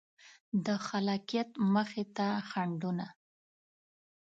د خلاقیت مخې ته خنډونه